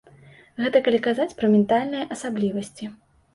Гэта калі казаць пра ментальныя асаблівасці.